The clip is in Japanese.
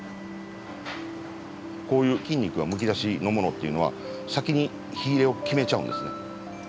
こういう筋肉がむき出しのものっていうのは先に火入れを決めちゃうんですね。